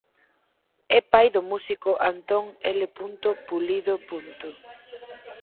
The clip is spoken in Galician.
É pai do músico Antón L. Pulido.